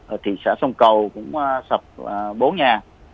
ở thị xã sông cầu cũng sập bốn nhà